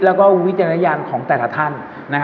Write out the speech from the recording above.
และวิจารณญาติของแต่ละท่าน